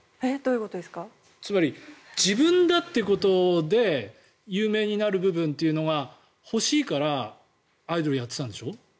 自分だということで有名になる部分というのが欲しいからアイドルをやっていたんでしょ？